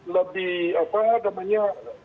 lebih apa namanya